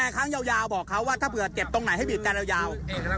ก็บอกเขาว่าถ้าเกิดเจ็บตรงไหนให้บีดกันยาว